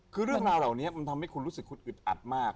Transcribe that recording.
คือเรื่องราวเหล่านี้มันทำให้คุณรู้สึกคุณอึดอัดมาก